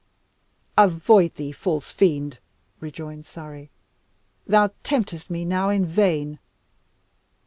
"Avoid thee, false fiend!" rejoined Surrey, "thou temptest me now in vain."